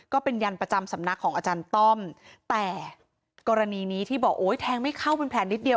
ก็เป็นยันประจำสำนักของอาจารย์ต้อมแต่กรณีนี้ที่บอกโอ้ยแทงไม่เข้าเป็นแผลนิดเดียว